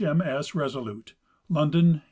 M. S. Resolute, London, 1857.